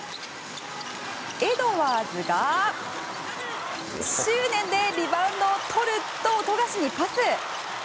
エドワーズが執念でリバウンドをとると富樫にパス。